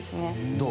どう？